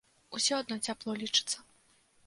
Усё адно цяпло лічыцца.